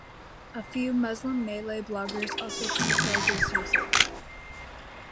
A few Muslim Malay bloggers also criticised its usage.